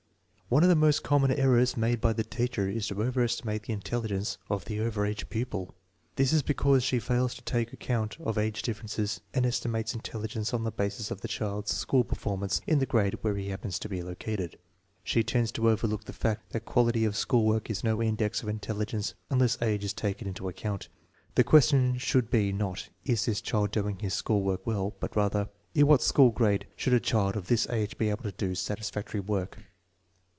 One of the most common errors made by the teacher is to overestimate the intelligence of the over age pupil. This is because she fails to take account of age dif ferences and estimates intelligence on the basis of the child's school performance in the grade where he happens , to be located. She tends to overlook the fact that quality of school work is no index of intelligence unless age is taken into account. The question should be, not, Is this child doing his school work well? " but rather, " In what school grade should a child of this age be able to do satisfactory work?